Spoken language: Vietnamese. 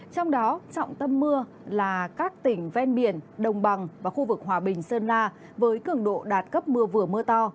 trong đó trọng tâm mưa là các tỉnh ven biển đồng bằng và khu vực hòa bình sơn la với cường độ đạt cấp mưa vừa mưa to